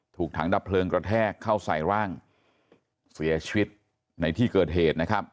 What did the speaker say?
ถังดับเพลิงกระแทกเข้าใส่ร่างเสียชีวิตในที่เกิดเหตุนะครับ